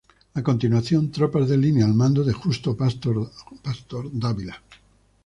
A continuación, tropas de línea al mando de Justo Pastor Dávila.